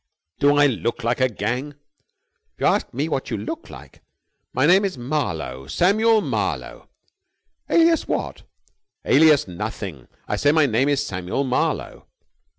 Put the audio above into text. "Do I look like a gang?" "If you ask me what you look like...." "My name is Marlowe ... Samuel Marlowe...." "Alias what?" "Alias nothing! I say my name is Samuel Marlowe...."